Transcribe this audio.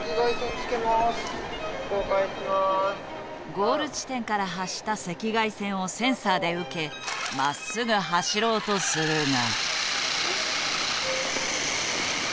ゴール地点から発した赤外線をセンサーで受けまっすぐ走ろうとするが。